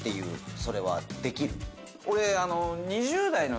俺。